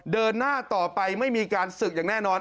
เดินหน้าต่อไปไม่มีการศึกอย่างแน่นอน